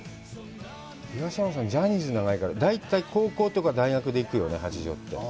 東山さん、ジャニーズが長いから、大体、高校とか大学で行くよね、八丈って。